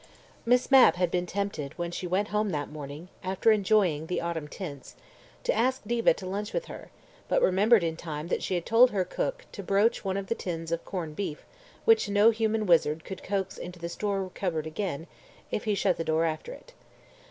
Miss Mapp had been tempted when she went home that morning, after enjoying the autumn tints, to ask Diva to lunch with her, but remembered in time that she had told her cook to broach one of the tins of corned beef which no human wizard could coax into the store cupboard again, if he shut the door after it.